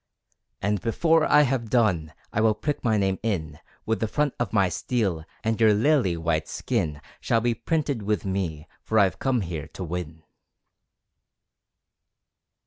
And before I have done, I will prick my name in With the front of my steel, And your lily white skin Shall be printed with me. For I've come here to win!